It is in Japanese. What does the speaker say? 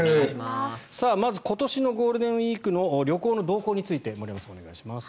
まず今年のゴールデンウィークの旅行の動向について森山さん、お願いします。